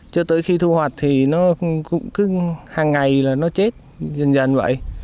cho tới khi thu hoạch thì nó cũng cứ hàng ngày là nó chết dần dần vậy